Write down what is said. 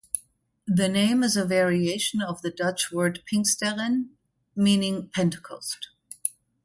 The name is a variation of the Dutch word "Pinksteren", meaning "Pentecost".